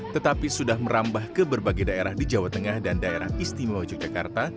tetapi sudah merambah ke berbagai daerah di jawa tengah dan daerah istimewa yogyakarta